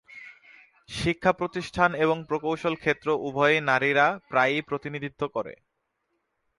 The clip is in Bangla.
শিক্ষা প্রতিষ্ঠান এবং প্রকৌশল ক্ষেত্র উভয়েই নারীরা প্রায়ই প্রতিনিধিত্ব করে।